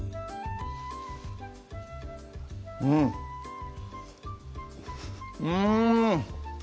うんうん！